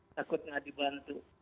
takut tidak dibantu